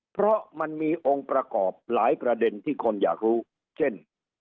เพราะมันมีองค์ประกอบหลายประเด็นที่คนอยากรู้เช่น